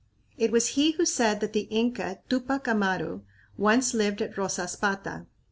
It was he who said that the Inca Tupac Amaru once lived at Rosaspata.